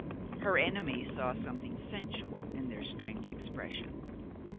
Her enemies saw something sensual in their strange expression.